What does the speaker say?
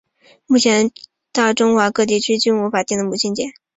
目前大中华各地区均无法定的母亲节。